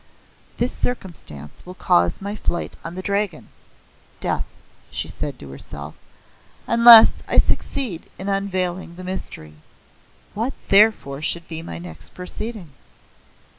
"This circumstance will cause my flight on the Dragon (death)," she said to herself, "unless I succeed in unveiling the mystery. What therefore should be my next proceeding?"